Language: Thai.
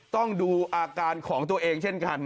ต้องดูอาการของตัวเองเช่นกัน